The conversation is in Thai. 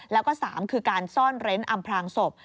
แล้วก็๓คือการซ่อนเร้นอำพลางศพ